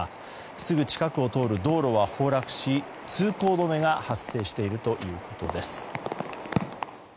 すぐ近くを通る道路は崩落し通行止めが発生しているということです。